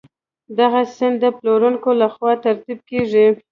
دغه سند د پلورونکي له خوا ترتیب کیږي.